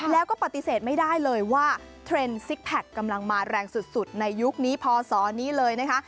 แล้วก็ปฏิเสธไม่ได้เลยว่าเทรนด์ซิกแพคกำลังมาแรงสุดในยุคนี้พศนี้เลยนะคะ